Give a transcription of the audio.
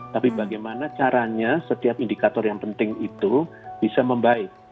tapi bagaimana caranya setiap indikator yang penting itu bisa membaik